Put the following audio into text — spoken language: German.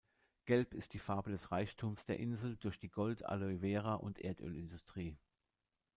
Gelb ist die Farbe des Reichtums der Insel durch die Gold-, Aloe-vera- und Erdöl-Industrie.